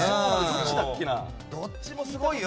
どっちもすごいよ？